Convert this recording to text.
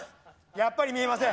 やっぱり見えません。